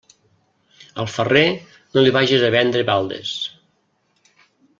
Al ferrer, no li vages a vendre baldes.